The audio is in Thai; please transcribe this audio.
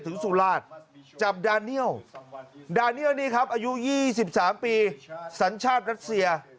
สุราชจับดาเนียลดาเนียลนี่ครับอายุ๒๓ปีสัญชาติรัสเซีย